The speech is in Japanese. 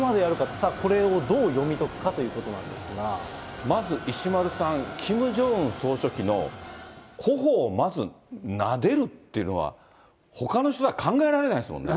さあこれをどう読み解くかというまず、石丸さん、キム・ジョンウン総書記のほほをまずなでるっていうのは、ほかの人だと考えられないですものね。